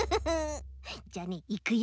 じゃあねいくよ。